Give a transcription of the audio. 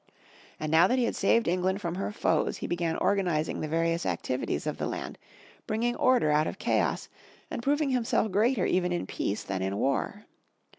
And now that he had saved England from her foes, he began organizing the various activities of the land, bringing order out of chaos, and proving himself greater even in peace than in war.